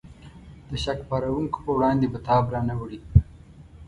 د شک پارونکو په وړاندې به تاب را نه وړي.